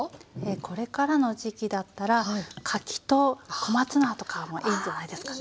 これからの時期だったら柿と小松菜とかもいいんじゃないですかね。